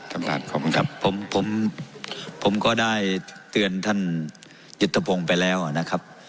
ท่านประธานขอบคุณครับผมผมผมก็ได้เตือนท่านยุทธพงศ์ไปแล้วนะครับ